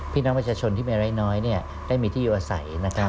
พี่น้องประชาชนที่มีอะไรน้อยได้มีที่อยู่อาศัย